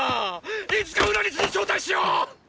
いつかウラリスに招待しよう！